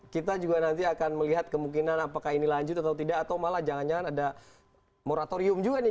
kita juga nanti akan melihat kemungkinan apakah ini lanjut atau tidak atau malah jangan jangan ada moratorium juga nih